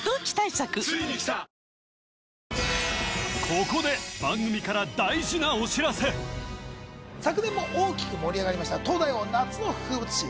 ここで番組から大事なお知らせ昨年も大きく盛り上がりました東大王夏の風物詩